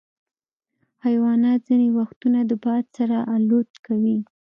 حیوانات ځینې وختونه د باد سره الوت کوي.